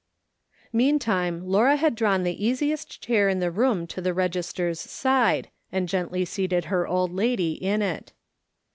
^leantime Laura had drawn the easiest chair in the room to the register's side, and gently seated her old lady in it.